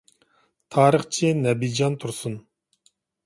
تارىخچى نەبىجان تۇرسۇن.